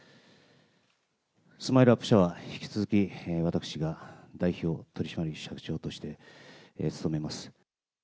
スマイルアップ社は、引き続き、私が代表取締役社長として務めます。